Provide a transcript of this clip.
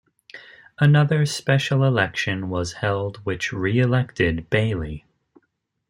Another special election was held which re-elected Bailey.